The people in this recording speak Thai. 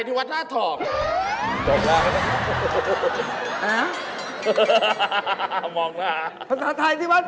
เสียดายนะพี่เบิด